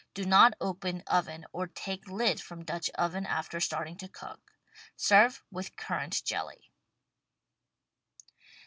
Do not open oven or take lid from Dutch oven after starting to cook. Serve with currant jelly.